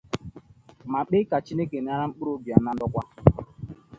ma kpee ka Chineke nara mkpụrụ obi ya na ndokwa